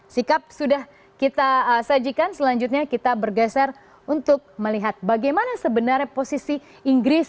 sikap sudah kita sajikan selanjutnya kita bergeser untuk melihat bagaimana sebenarnya posisi inggris